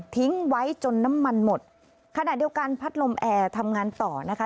ทิ้งไว้จนน้ำมันหมดขณะเดียวกันพัดลมแอร์ทำงานต่อนะคะ